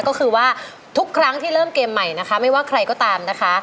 ก็คือว่าทุกครั้งที่เริ่มเกมใหม่นะคะไม่ว่าใครก็ตามนะคะ